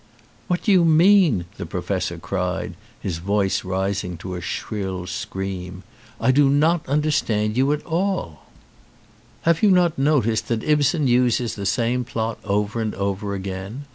"What do you mean?" the professor cried, his voice rising to a shrill scream. "I do not under stand you at all." 191 ON A CHINESE SCEEEN "Have you not noticed that Ibsen uses the same plot over and over again?